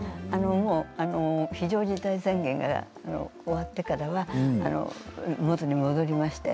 非常事態宣言が終わってからは元に戻りまして。